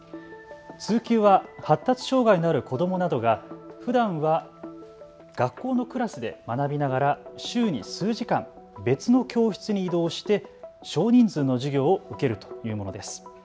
通級は発達障害のある子どもなどが、ふだんは学校のクラスで学びながら週に数時間、別の教室に移動して少人数の授業を受けるというものです。